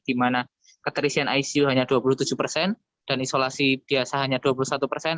di mana keterisian icu hanya dua puluh tujuh persen dan isolasi biasa hanya dua puluh satu persen